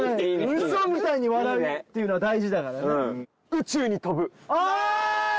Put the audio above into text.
うそみたいに笑うっていうのは大事だからね。